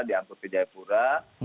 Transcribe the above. diangkut ke jayapura